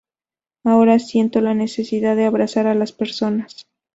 Ahora siento la necesidad de abrazar a las personas".